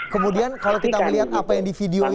kemudian kalau kita melihat apa yang di video itu